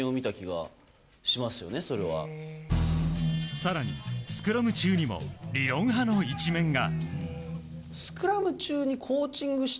更にスクラム中にも理論派の一面が。